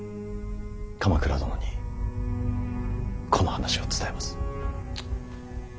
鎌倉殿にこの話を伝えます。